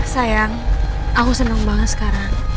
sayang aku senang banget sekarang